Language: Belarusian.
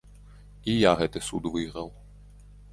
І я гэты суд выйграў.